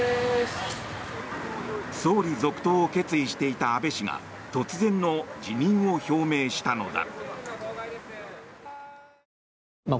総理続投を決意していた安倍氏が突然の辞任を表明したのだ。